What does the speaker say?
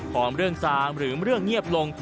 พอเรื่องซางหรือเรื่องเงียบลง